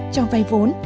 cho vay vốn